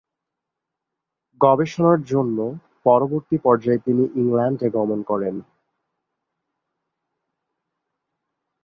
গবেষণার জন্য পরবর্তী পর্যায়ে তিনি ইংল্যান্ডে গমন করেন।